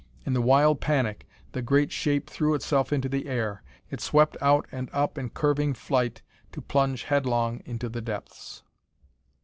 In the wild panic the great shape threw itself into the air; it swept out and up in curving flight to plunge headlong into the depths....